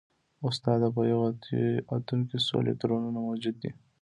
استاده په یو اتوم کې څو الکترونونه موجود وي